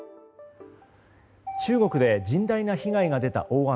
中国で甚大な被害が出た大雨。